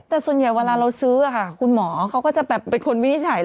แต่ส่วนใหญ่เวลาเราซื้อคุณหมอเขาก็จะแบบเป็นคนวินิจฉัย